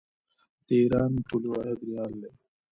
د ایران پولي واحد ریال دی.